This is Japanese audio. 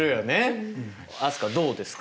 飛鳥どうですか？